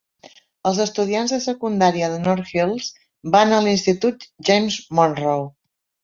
Els estudiants de secundària de North Hills van a l'institut James Monroe.